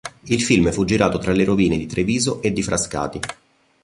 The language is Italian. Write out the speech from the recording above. Il film fu girato tra le rovine di Treviso e di Frascati.